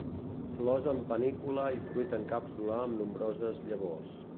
Flors en panícula i fruit en càpsula amb nombroses llavors.